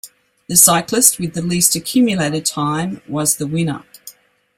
The cyclist with the least accumulated time was the winner.